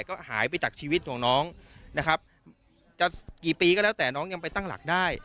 ก็หายไปจากชีวิตของน้องนะครับจะกี่ปีก็แล้วแต่น้องยังไปตั้งหลักได้